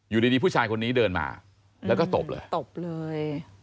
อยู่ดีผู้ชายคนนี้เดินมาแล้วก็ตบเลยตบเลย